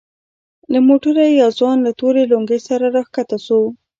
له موټره يو ځوان له تورې لونگۍ سره راکښته سو.